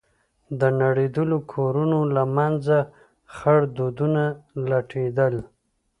د نړېدلو کورونو له منځه خړ دودونه لټېدل.